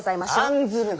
案ずるな。